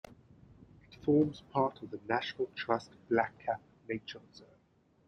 It forms part of the National Trust Blackcap nature reserve.